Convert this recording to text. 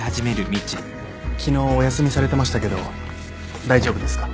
昨日お休みされてましたけど大丈夫ですか？